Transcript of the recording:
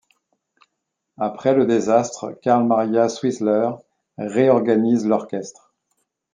Après le désastre, Karl Maria Zwissler réorganise l'orchestre.